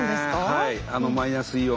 はい。